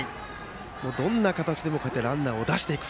どんな形でもランナーを出していく。